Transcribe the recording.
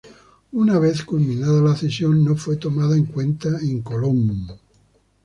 Una vez culminada la cesión, no fue tomado en cuenta en Colón.